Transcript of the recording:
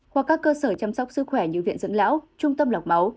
hoặc các cơ sở chăm sóc sức khỏe như viện dưỡng lão trung tâm lọc máu